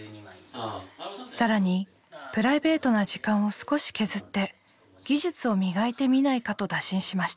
更にプライベートな時間を少し削って技術を磨いてみないかと打診しました。